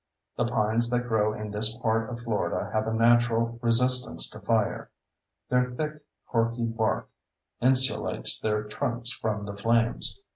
The pines that grow in this part of Florida have a natural resistance to fire. Their thick, corky bark insulates their trunks from the flames.